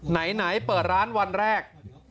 ไหนเปิดร้านวันแรก